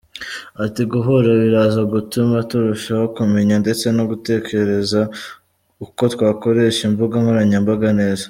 Ati “Guhura biraza gutuma turushaho kumenya ndetse no gutekereza uko twakoresha imbuga nkoranyambaga neza.